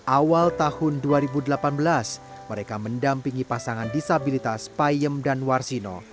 awal tahun dua ribu delapan belas mereka mendampingi pasangan disabilitas payem dan warsino